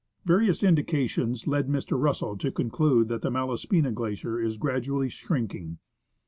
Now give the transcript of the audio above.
Various indications led Mr. Russell to conclude that the Malaspina Glacier is gradually shrinking.